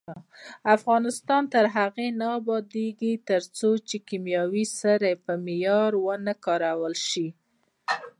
افغانستان تر هغو نه ابادیږي، ترڅو کیمیاوي سرې په معیار ونه کارول شي.